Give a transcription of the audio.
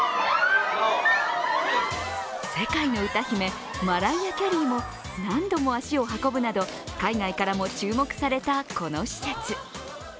世界の歌姫、マライア・キャリーも何度も足を運ぶなど海外からも注目された、この施設。